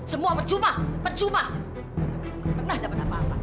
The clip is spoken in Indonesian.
semua berjumpa berjumpa